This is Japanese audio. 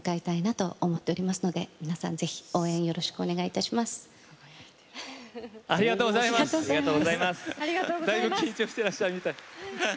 だいぶ緊張してらっしゃるみたい。